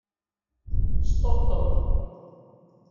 Sṭebṭeb.